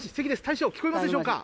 大将聞こえますでしょうか？